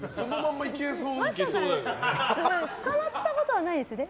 捕まったことはないですよね？